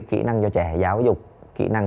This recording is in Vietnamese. kỹ năng cho trẻ giáo dục kỹ năng